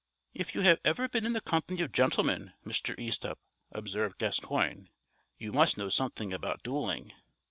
"If you have ever been in the company of gentlemen, Mr. Easthupp," observed Gascoigne, "you must know something about duelling."